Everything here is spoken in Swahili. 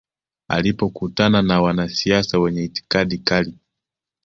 Alipokutana na wanasiasa wenye itikadi kali